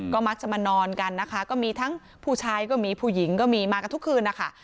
ก็มักจะมานอนกันนะคะก็มีทั้งผู้ชายก็มีผู้หญิงก็มีมากันทุกคืนนะคะ